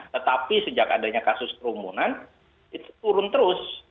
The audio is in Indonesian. tetapi sejak adanya kasus kerumunan itu turun terus